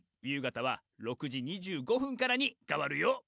夕方は、６時２５分からに変わるよ。